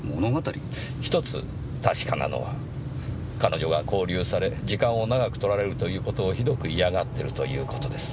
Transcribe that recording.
１つ確かなのは彼女が勾留され時間を長く取られるという事をひどく嫌がってるという事です。